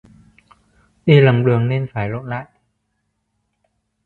Đi lầm đường nên phải lộn lại